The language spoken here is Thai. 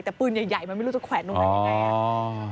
แต่ปืนใหญ่มันไม่รู้จะแขวนลงไปยังไง